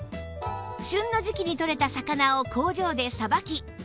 旬の時季にとれた魚を工場でさばき